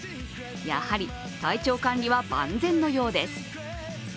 やはり体調管理は万全のようです。